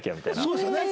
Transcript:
そうですよね！